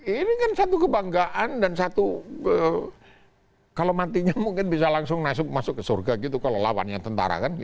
ini kan satu kebanggaan dan satu kalau matinya mungkin bisa langsung masuk ke surga gitu kalau lawannya tentara kan